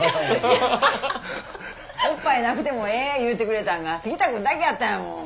おっぱいなくてもええ言うてくれたんが杉田君だけやったんやもん。